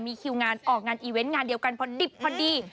มีคิวงานออกงานอีเวนต์งานเดียวกันพอดิบพอดี